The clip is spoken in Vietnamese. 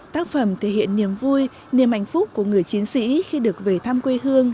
tác phẩm thể hiện niềm vui niềm hạnh phúc của người chiến sĩ khi được về thăm quê hương